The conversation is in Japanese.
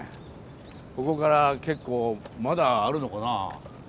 ここから結構まだあるのかな。